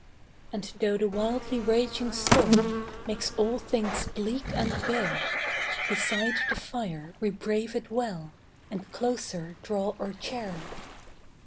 And, though the wildly raging storm Makes all things bleak and bare, Beside the fire we brave it well, And closer draw our chair.